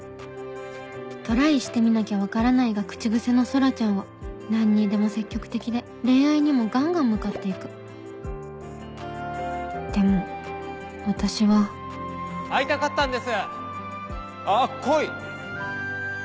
「トライしてみなきゃ分からない」が口癖の空ちゃんは何にでも積極的で恋愛にもガンガン向かって行くでも私は会いたかったんですあっ恋！